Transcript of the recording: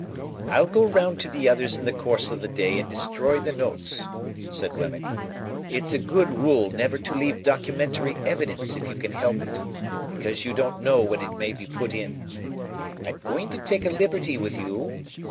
"I'll go round to the others in the course of the day and destroy the notes," said Wemmick; "it's a good rule never to leave documentary evidence if you can help it, because you don't know when it may be put in. I'm going to take a liberty with you.